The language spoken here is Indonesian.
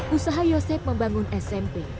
usaha yosep membangun smp